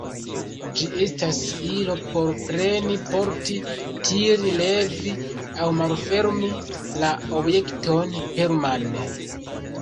Ĝi estas ilo por preni, porti, tiri, levi aŭ malfermi la objekton permane.